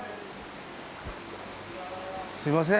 すいません。